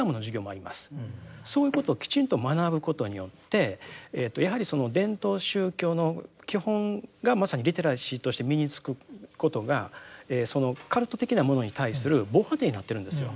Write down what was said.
そういうことをきちんと学ぶことによってやはりその伝統宗教の基本がまさにリテラシーとして身につくことがカルト的なものに対する防波堤になってるんですよ。